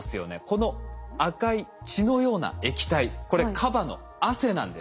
この赤い血のような液体これカバの汗なんです。